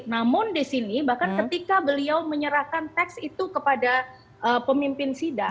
namun di sini bahkan ketika beliau menyerahkan teks itu kepada pemimpin sidang